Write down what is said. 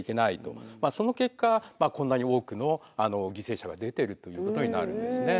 その結果こんなに多くの犠牲者が出てるということになるんですね。